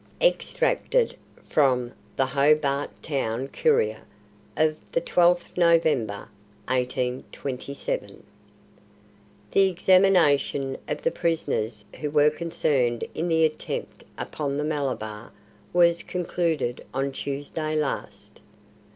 Extracted from the Hobart Town Courier of the 12th November, 1827: "The examination of the prisoners who were concerned in the attempt upon the Malabar was concluded on Tuesday last.